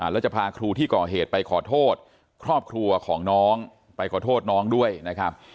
แล้วจะพาครูที่ก่อเหตุไปขอโทษครอบครัวของน้องไปขอโทษน้องด้วยนะครับ